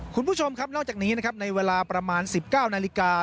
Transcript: คุณผู้ชมครับนอกจากนี้นะครับในเวลาประมาณ๑๙นาฬิกา